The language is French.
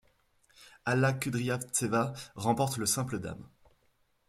Alla Kudryavtseva remporte le simple dames.